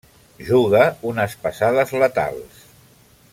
Juga unes passades letals.